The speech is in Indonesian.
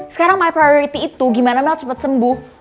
sekarang my priority itu gimana mel cepet sembuh